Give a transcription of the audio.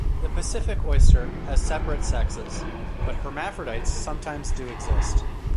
The Pacific oyster has separate sexes, but hermaphrodites sometimes do exist.